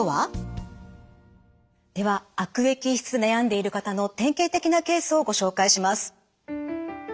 では悪液質で悩んでいる方の典型的なケースをご紹介します。